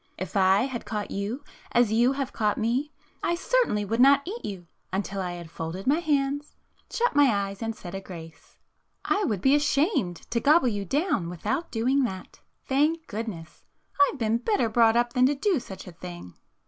If I had caught you as you have caught me, I cer tainly would not eat you until I had folded my hands, shut my eyes and said a grace. I Fairy Tale Foxes 31 would be ashamed to gobble you down with out doing that. Thank goodness ! I Ve been better brought up than to do such a thing."